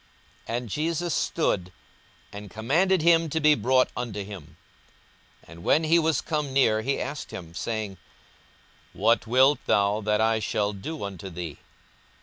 42:018:040 And Jesus stood, and commanded him to be brought unto him: and when he was come near, he asked him, 42:018:041 Saying, What wilt thou that I shall do unto thee?